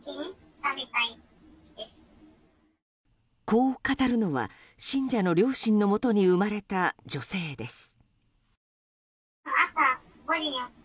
こう語るのは信者の両親のもとに生まれた女性です。